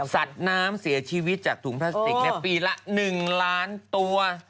สัตว์น้ำเสียชีวิตจากถุงพลาสติกปีละ๑ล้านตัว